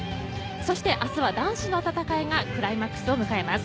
そして、明日は男子の戦いがクライマックスを迎えます。